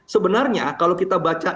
sebenarnya kalau kita baca